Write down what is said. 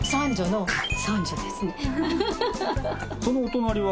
そのお隣は？